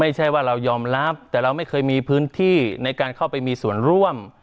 ไม่ใช่ว่าเรายอมรับแต่เราไม่เคยมีพื้นที่ในการเข้าไปมีส่วนร่วม